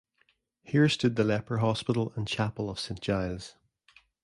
Here stood the leper hospital and chapel of Saint Giles.